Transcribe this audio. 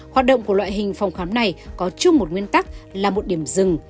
hoạt động của loại hình phòng khám này có chung một nguyên tắc là một điểm dừng